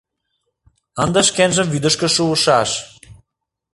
Ынде шкенжым вӱдышкӧ шуышаш!